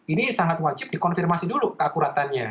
ini sangat wajib dikonfirmasi dulu keakuratannya